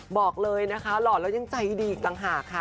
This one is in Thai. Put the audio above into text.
บอกเลยนะคะหล่อแล้วยังใจดีอีกต่างหากค่ะ